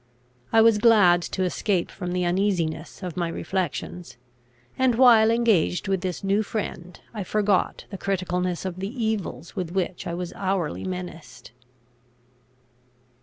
I was glad to escape from the uneasiness of my reflections; and, while engaged with this new friend, I forgot the criticalness of the evils with which I was hourly menaced.